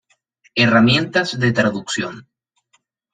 Herramientas de traducción